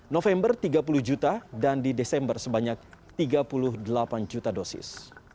november tiga puluh juta dan di desember sebanyak tiga puluh delapan juta dosis